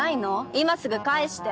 今すぐ返して。